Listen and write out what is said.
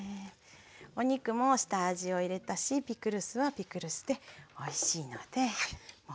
お肉も下味を入れたしピクルスはピクルスでおいしいのでもうこれで。